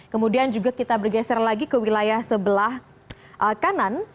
kemudian juga kita bergeser lagi ke wilayah sebelah kanan